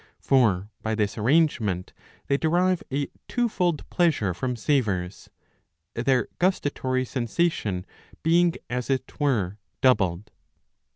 For by this arrangement they derive a two fold pleasure from savours, their gustatory sensation being as it were doubled.